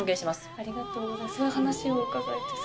ありがとうございます。